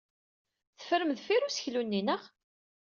Teffrem deffir useklu-nni, naɣ?